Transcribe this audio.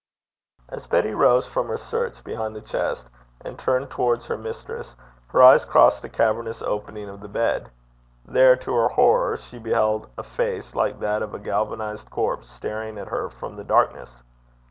As Betty rose from her search behind the chest and turned towards her mistress, her eyes crossed the cavernous opening of the bed. There, to her horror, she beheld a face like that of a galvanised corpse staring at her from the darkness.